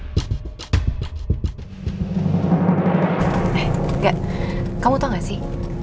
enggak kamu tau gak sih